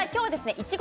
いちご